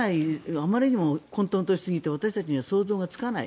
あまりにも混とんとしすぎていて私たちには想像がつかない。